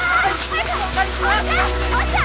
おっちゃん！